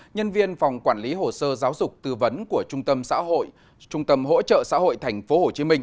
nhân viên phòng quản lý hồ sơ giáo dục tư vấn của trung tâm hỗ trợ xã hội tp hcm